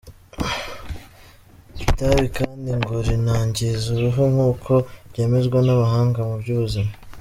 Itabi kandi ngo rinangiza uruhu nk’uko byemezwa n’abahanga mu by’ubuzima.